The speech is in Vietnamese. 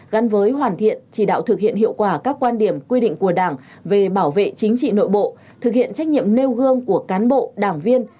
gắn với hoàn thiện chỉ đạo thực hiện hiệu quả các quan điểm quy định của đảng về bảo vệ chính trị nội bộ thực hiện trách nhiệm nêu gương của cán bộ đảng viên